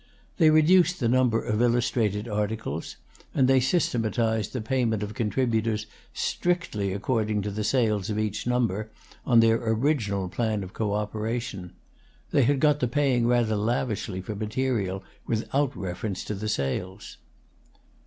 They reduced the number of illustrated articles, and they systematized the payment of contributors strictly according to the sales of each number, on their original plan of co operation: they had got to paying rather lavishly for material without reference to the sales.